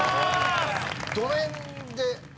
どの辺で？